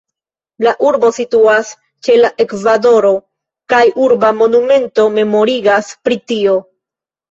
La urbo situas ĉe la ekvatoro, kaj urba monumento memorigas pri tio.